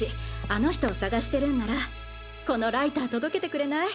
あの人を探してるんならこのライター届けてくれない？